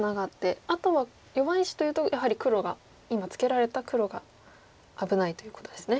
あとは弱い石というとやはり黒が今ツケられた黒が危ないということですね。